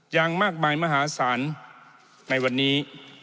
อย่างมากมายมหาศาลในวันนี้